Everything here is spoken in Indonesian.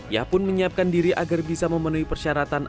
ia pun menyiapkan diri agar bisa memenuhi persyaratan